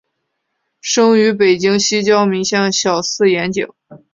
生于北京西郊民巷小四眼井。